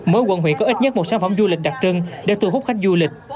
mỗi quận huyện có ít nhất một sản phẩm du lịch đặc trưng để thu hút khách du lịch